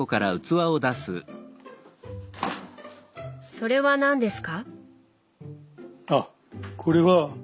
それは何ですか？